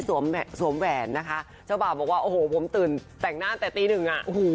ซึ่ง